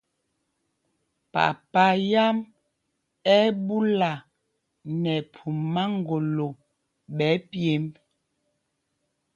Papa yǎm ɛ́ ɛ́ ɓúla nɛ phum maŋgolo ɓɛ̌ pyemb.